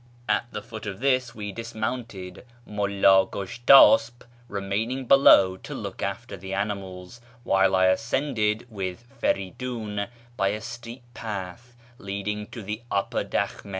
At the foot of this we dismounted, Mulla Gushtasp remaining below to look after the animals, while I ascended with Feridun by a steep path leading to the upper dahhm4.